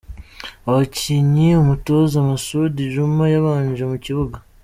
Abakinnyi umutoza Masudi Juma yabanje mu kibuga:.